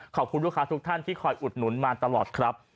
ขอบคุณลูกค้าทุกท่านที่คอยอุดหนุนมาตลอดครับ